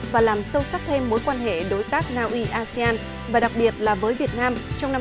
và làm sâu sắc thêm mối quan hệ đối tác naui asean và đặc biệt là với việt nam trong năm hai nghìn hai mươi